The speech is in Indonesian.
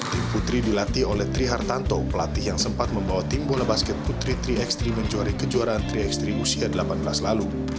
tim putri dilatih oleh trihartanto pelatih yang sempat membawa tim bola basket putri tiga x tiga mencuali kejuaraan tiga x tiga usia delapan belas lalu